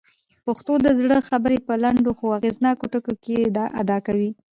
پښتو د زړه خبرې په لنډو خو اغېزناکو ټکو کي ادا کوي.